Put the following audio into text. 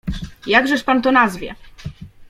"Jakżeż pan to nazwie?"